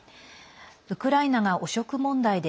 ウクライナが汚職問題で